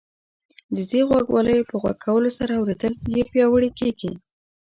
د دې غوږوالیو په غوږ کولو سره اورېدل یې پیاوړي کیږي.